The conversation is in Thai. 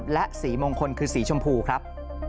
และสีมงคลคือสีชมพูครับ